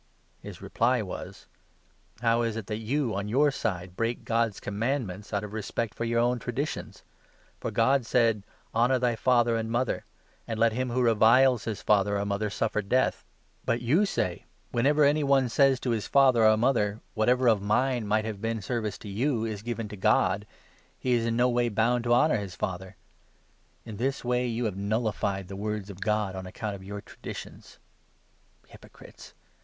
His reply was : 3 " How is it that you on your side break God's commandments out of respect for your own traditions ? For God said — 4 ' Honour thy father and mother,' and ' Let him who reviles his father or mother suffer death,' 4 Exod. 20. 12 ; Exod. 21. 17. 70. MATTHEW, 15. but you say ' Whenever any one says to his father or mother " Whatever of mine might have been of service to you is ' Given to God,' " he is in no way bound to honour his father.' In this way you have nullified the words of God on account of your traditions. Hypocrites